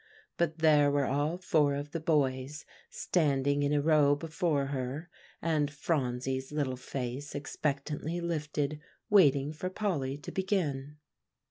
But there were all four of the boys standing in a row before her, and Phronsie's little face expectantly lifted waiting for Polly to begin.